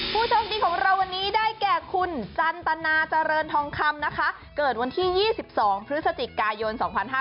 ผู้โชคดีของเราวันนี้ได้แก่คุณจันตนาเจริญทองคำนะคะเกิดวันที่๒๒พฤศจิกายน๒๕๕๙